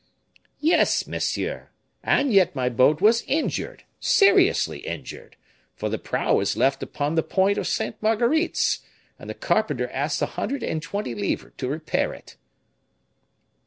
"Yes, monsieur; and yet my boat was injured, seriously injured, for the prow is left upon the point of Sainte Marguerite's, and the carpenter asks a hundred and twenty livres to repair it."